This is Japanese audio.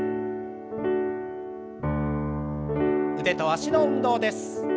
腕と脚の運動です。